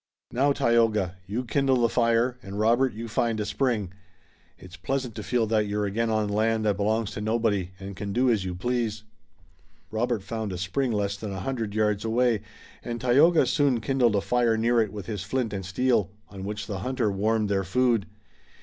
Now, Tayoga, you kindle the fire, and Robert, you find a spring. It's pleasant to feel that you're again on land that belongs to nobody, and can do as you please." Robert found a spring less than a hundred yards away, and Tayoga soon kindled a fire near it with his flint and steel, on which the hunter warmed their food.